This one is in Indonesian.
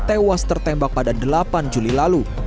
tewas tertembak pada delapan juli lalu